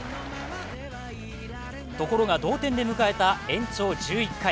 ところが、同点で迎えた延長１１回。